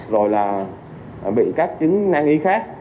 rồi là bị các chứng nang y khác